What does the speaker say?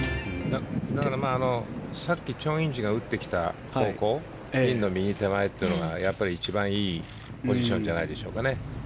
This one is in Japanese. だから、さっきチョン・インジが打ってきた方向ピンの右手前というのが一番いいポジションじゃないでしょうか。